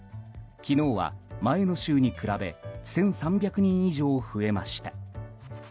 昨日は前の週に比べ１３００人以上増えました。